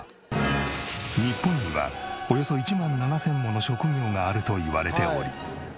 日本にはおよそ１万７０００もの職業があるといわれており。